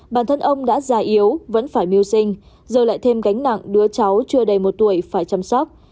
bản thân ông đã già yếu vẫn phải mưu sinh giờ lại thêm gánh nặng đứa cháu chưa đầy một tuổi phải chăm sóc